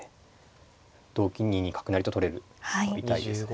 同金２二角成と取れるのは痛いですね。